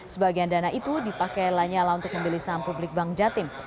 sebagian dana itu dipakai lanyala untuk memilih saham publik bank jatim